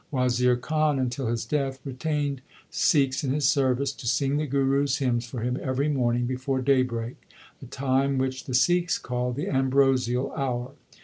Wazir Khan until his death retained Sikhs in his service to sing the Guru s hymns for him every morning before day break, a time which the Sikhs call the ambrosial hour.